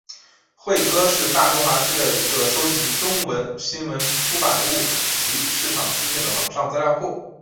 慧科是大中华区的一个收集中文新闻出版物及市场资讯的网上资料库。